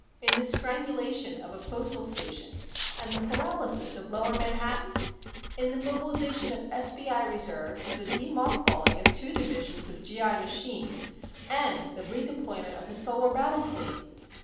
in the strangulation of a postal station and the paralysis of Lower Manhattan? in the mobilization of SBI reserves, the de mothballing of two divisions of G. I. machines and the redeployment of the Solar Battle Fleet?